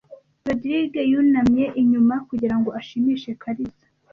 Rogride yunamye inyuma kugirango ashimishe Kariza .